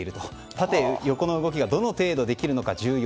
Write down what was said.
縦、横の動きがどの程度できるのかが重要。